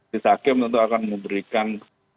sita gem tentu akan memberikan